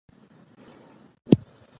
نوي ستونزه به را پیدا شوه.